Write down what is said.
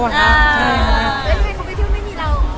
แล้วทำไมเขาไปเที่ยวไม่มีเรา